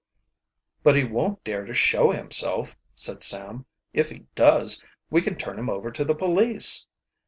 "But he won't dare to show himself," said Sam. "If he does, we can turn him over to the police."